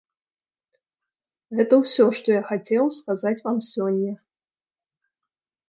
Гэта ўсё, што я хацеў сказаць вам сёння.